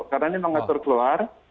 karena ini mengatur keluar